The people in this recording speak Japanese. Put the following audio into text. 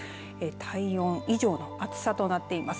体温以上の暑さとなっています。